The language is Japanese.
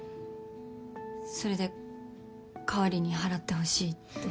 それで代わりに払ってほしいって。